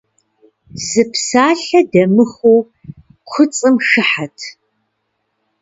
Зы псалъэ дэмыхуу куцӀым хыхьэт.